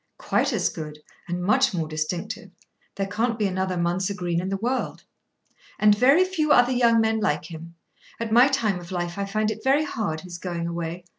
"Quite as good, and much more distinctive. There can't be another Mounser Green in the world." "And very few other young men like him. At my time of life I find it very hard his going away.